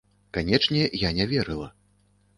Канечне, я не верыла.